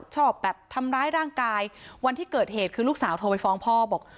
ชอบแบบทำร้ายร่างกายวันที่เกิดเหตุคือลูกสาวโทรไปฟ้องพ่อบอก